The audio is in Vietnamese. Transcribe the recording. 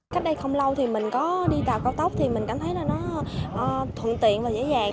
cách đây không lâu thì mình có đi tàu cao tốc thì mình cảm thấy là nó thuận tiện và dễ dàng